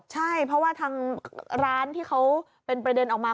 ใช่เพราะว่าทางร้านที่เขาเป็นประเด็นออกมา